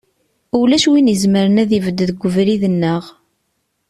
Ulac win izemren ad ibedd deg ubrid-nneɣ.